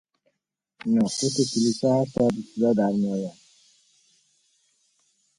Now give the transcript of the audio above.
ناقوس کلیسا هر ساعت به صدا درمیآید.